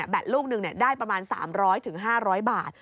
แบตลูกนึงเนี่ยได้ประมาณ๓๐๐๕๐๐บาท